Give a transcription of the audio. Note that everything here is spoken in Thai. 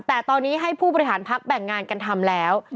แต่ตอนนี้ให้ผู้บริหารพักแบ่งงานกันทำแล้ว